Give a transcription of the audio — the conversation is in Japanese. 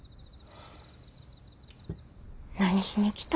何しに来たん？